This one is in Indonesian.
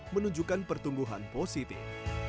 menunjukkan pertumbuhan positif